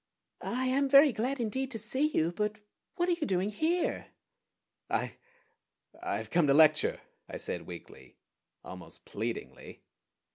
"I am very glad indeed to see you; but what are you doing here?" "I I've come to lecture," I said weakly, almost pleadingly.